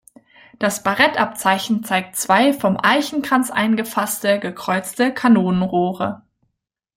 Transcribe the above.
Das Barettabzeichen zeigt zwei vom Eichenkranz eingefasste, gekreuzte Kanonenrohre.